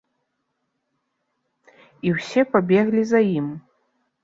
І ўсе пабеглі за ім.